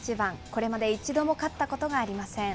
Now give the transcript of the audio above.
これまで一度も勝ったことがありません。